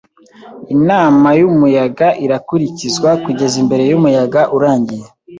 Inama yumuyaga irakurikizwa kugeza imbere yumuyaga urangiye.